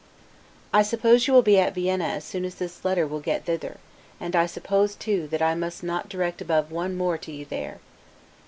I suppose you will be at Vienna as soon as this letter will get thither; and I suppose, too, that I must not direct above one more to you there.